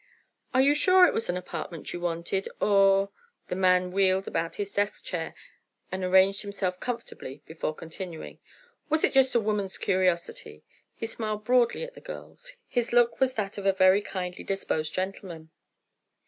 "Are you sure it was an apartment you wanted, or"—the man wheeled about his desk chair and arranged himself comfortably before continuing—"was it just a woman's curiosity?" He smiled broadly at the girls; his look was that of a very kindly disposed gentleman.